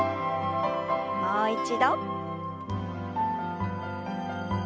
もう一度。